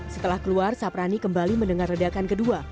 setelah keluar saprani kembali mendengar redakan kedua